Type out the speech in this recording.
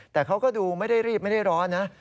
แต่เขาก็ดูไม่ได้รีบไม่ได้ร้อนนะ